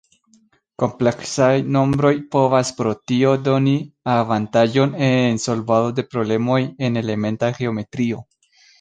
Kompleksaj nombroj povas pro tio doni avantaĝon en solvado de problemoj en elementa geometrio.